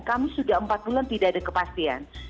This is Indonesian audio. kami sudah empat bulan tidak ada kepastian